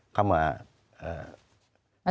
เข้ามา